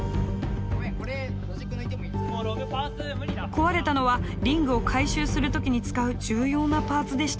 壊れたのはリングを回収する時に使う重要なパーツでした。